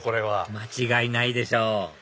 間違いないでしょう